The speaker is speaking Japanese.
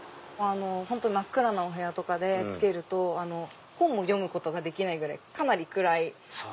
本当に真っ暗なお部屋でつけると本も読むことができないぐらいかなり暗い。